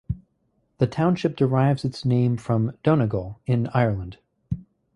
The township derives its name from Donegal, in Ireland.